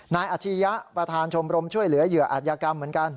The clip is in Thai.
อาชียะประธานชมรมช่วยเหลือเหยื่ออาจยากรรมเหมือนกัน